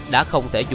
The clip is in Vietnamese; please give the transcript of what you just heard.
đã không thể dùng thứ